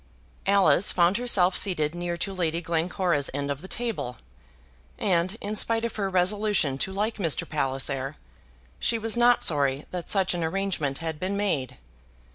Alice found herself seated near to Lady Glencora's end of the table, and, in spite of her resolution to like Mr. Palliser, she was not sorry that such an arrangement had been made.